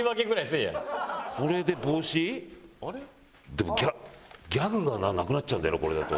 でもギャグがななくなっちゃうんだよなこれだと。